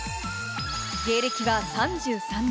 芸歴は３３年。